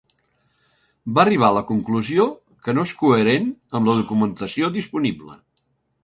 Va arribar a la conclusió que no és coherent amb la documentació disponible.